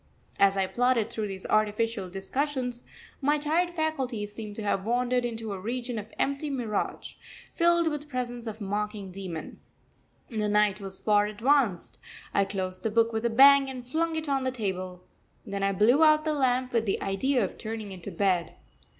As I plodded through these artificial discussions, my tired faculties seemed to have wandered into a region of empty mirage, filled with the presence of a mocking demon. The night was far advanced. I closed the book with a bang and flung it on the table. Then I blew out the lamp with the idea of turning into bed.